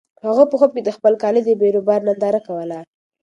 هغه په خوب کې د خپل کلي د بیروبار ننداره کوله.